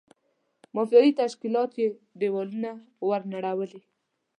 مافیایي تشکیلاتو یې دېوالونه ور نړولي.